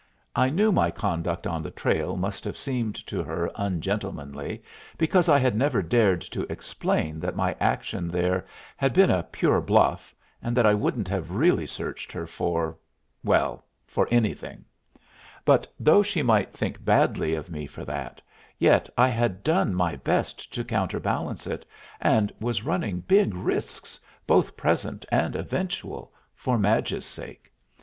I knew my conduct on the trail must have seemed to her ungentlemanly because I had never dared to explain that my action there had been a pure bluff, and that I wouldn't have really searched her for well, for anything; but though she might think badly of me for that, yet I had done my best to counterbalance it, and was running big risks, both present and eventual, for Madge's sake.